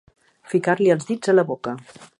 Ficar-li els dits a la boca.